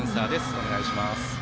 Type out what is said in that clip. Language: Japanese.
お願いします。